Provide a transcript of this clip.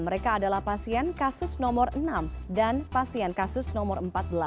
mereka adalah pasien kasus nomor enam dan pasien kasus nomor empat belas